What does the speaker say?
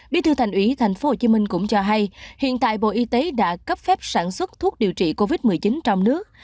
bí thư thành ủy tp hcm cũng cho hay hiện tại bộ y tế đã cấp phép sản xuất thuốc điều trị covid một mươi chín trong nước